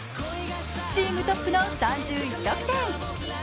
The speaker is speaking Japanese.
チームトップの３１得点。